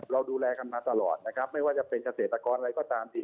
เราดูแลกันมาตลอดนะครับไม่ว่าจะเป็นเกษตรกรอะไรก็ตามที่